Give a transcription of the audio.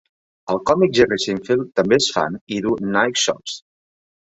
El còmic Jerry Seinfeld també és fan i duu Nike Shox.